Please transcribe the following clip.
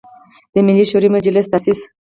د ملي شوری مجلس تاسیس.